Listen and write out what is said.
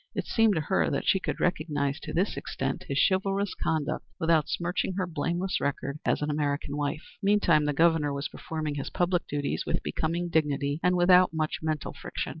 It seemed to her that she could recognize to this extent his chivalrous conduct without smirching her blameless record as an American housewife. Meantime the Governor was performing his public duties with becoming dignity and without much mental friction.